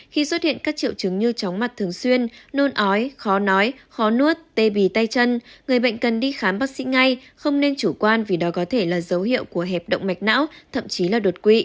khi xuất hiện các triệu chứng như chóng mặt thường xuyên nôn ói khó nói khó nuốt tê bì tay chân người bệnh cần đi khám bác sĩ ngay không nên chủ quan vì đó có thể là dấu hiệu của hẹp động mạch não thậm chí là đột quỵ